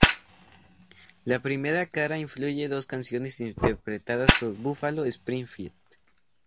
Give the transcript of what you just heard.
La primera cara incluye dos canciones interpretadas por Buffalo Springfield.